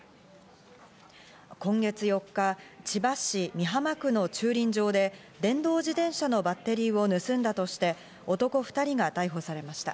今月４日、千葉市美浜区の駐輪場で電動自転車のバッテリーを盗んだとして、男２人が逮捕されました。